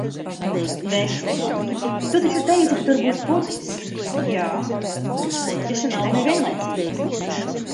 Vecis: "Tu taču teici, ka tur būs puķes?" Jā, būs puķes un augļi vienlaicīgi.